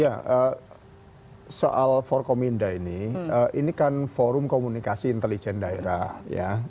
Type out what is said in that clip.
ya soal forkominda ini ini kan forum komunikasi intelijen daerah ya